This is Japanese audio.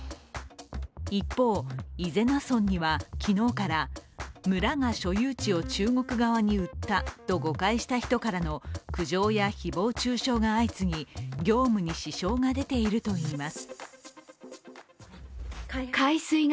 一方、伊是名村には昨日から、村が所有地を中国側に売ったと誤解した人からの苦情や誹謗中傷が相次ぎ業務に支障が出ているといいます。